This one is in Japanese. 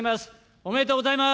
おめでとうございます。